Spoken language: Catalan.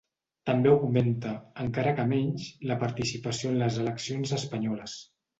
També augmenta, encara que menys, la participació en les eleccions espanyoles.